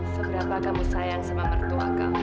seberapa kamu sayang sama mertua kamu